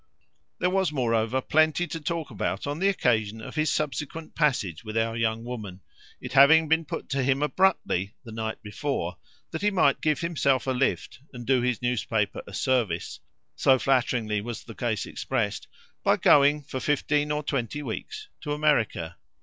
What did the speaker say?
There was moreover plenty to talk about on the occasion of his subsequent passage with our young woman, it having been put to him abruptly, the night before, that he might give himself a lift and do his newspaper a service so flatteringly was the case expressed by going for fifteen or twenty weeks to America.